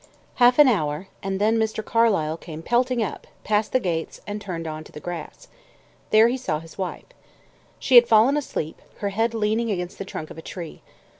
Half an hour, and then Mr. Carlyle came pelting up, passed the gates, and turned on to the grass. There he saw his wife. She had fallen asleep, her head leaning against the trunk of a tree.